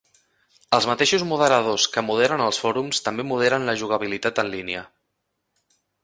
Els mateixos moderadors que moderen els fòrums també moderen la jugabilitat en línia.